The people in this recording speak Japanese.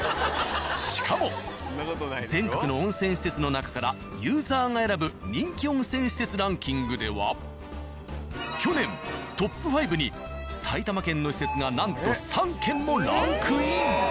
しかも全国の温泉施設の中からユーザーが選ぶ人気温泉施設ランキングでは去年トップ５に埼玉県の施設がなんと３軒もランクイン！